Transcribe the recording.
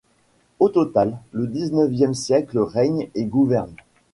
Au total le dix-neuvième siècle règne et gouverne.